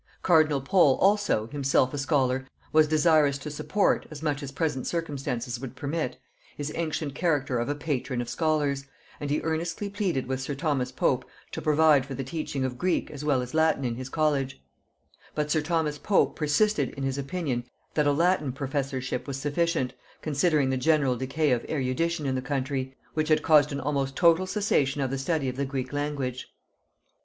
Cardinal Pole also, himself a scholar, was desirous to support, as much as present circumstances would permit, his ancient character of a patron of scholars, and he earnestly pleaded with sir Thomas Pope to provide for the teaching of Greek as well as Latin in his college; but sir Thomas persisted in his opinion that a Latin professorship was sufficient, considering the general decay of erudition in the country, which had caused an almost total cessation of the study of the Greek language.